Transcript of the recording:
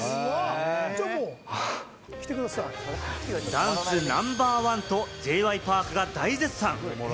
ダンスナンバーワンとＪ．Ｙ．Ｐａｒｋが大絶賛。